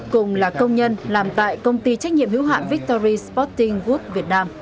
cùng là công nhân làm tại công ty trách nhiệm hữu hạm victory sporting wood việt nam